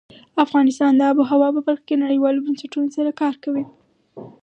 افغانستان د آب وهوا په برخه کې نړیوالو بنسټونو سره کار کوي.